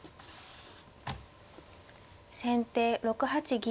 先手６八銀。